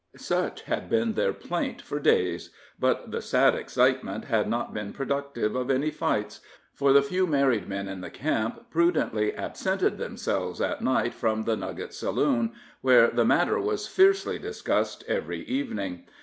Such had been their plaint for days, but the sad excitement had not been productive of any fights, for the few married men in the camp prudently absented themselves at night from "The Nugget" saloon, where the matter was fiercely discussed every evening.